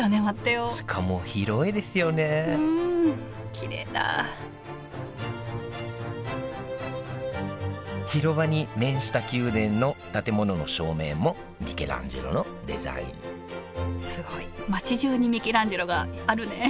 きれいだ広場に面した宮殿の建物の正面もミケランジェロのデザインすごい街じゅうにミケランジェロがあるね。